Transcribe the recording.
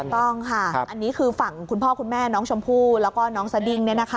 ต้องค่ะอันนี้คือฝั่งคุณพ่อคุณแม่น้องชมพู่แล้วก็น้องสดิ้ง